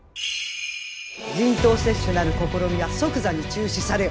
人痘接種なる試みは即座に中止されよ！